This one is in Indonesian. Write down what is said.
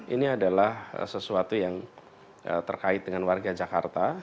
ini adalah sesuatu yang terkait dengan warga jakarta